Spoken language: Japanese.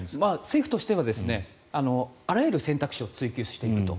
政府としてはあらゆる選択肢を追求していくと。